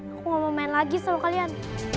aku gak mau main lagi sama kalian